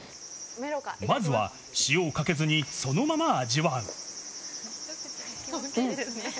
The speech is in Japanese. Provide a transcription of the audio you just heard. まずは塩をかけずにそのままうん！